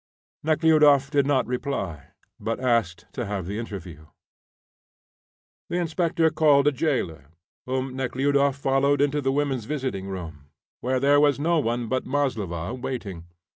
Nekhludoff did not reply, but asked to have the interview. The inspector called a jailer, whom Nekhludoff followed into the women's visiting room, where there was no one but Maslova waiting.